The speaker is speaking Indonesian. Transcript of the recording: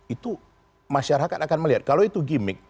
itu masyarakat akan melihat kalau itu gimmick